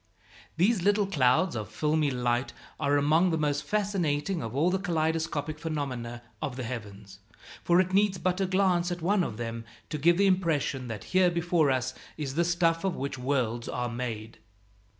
These "little clouds" of filmy light are among the most fascinating of all the kaleidoscopic phenomena of the heavens; for it needs but a glance at one of them to give the impression that here before us is the stuff of which worlds are made.